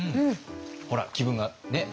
ほら気分がねっ？